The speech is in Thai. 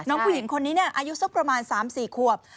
น้องผู้หญิงคนนี้น่ะอายุประมาณ๓๔ควบ